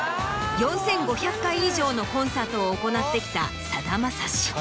４５００回以上のコンサートを行ってきたさだまさし。